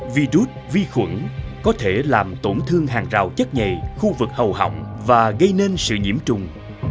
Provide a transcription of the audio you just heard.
virus vi khuẩn có thể làm tổn thương hàng rào chất nhề khu vực hầu họng và gây nên sự nhiễm trùng